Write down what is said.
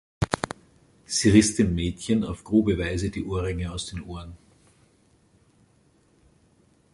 Sie riss dem Mädchen auf grobe Weise die Ohrringe aus den Ohren.